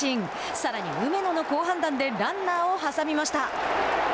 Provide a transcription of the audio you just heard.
さらに梅野の好判断でランナーを挟みました。